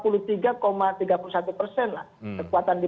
lah kekuatan di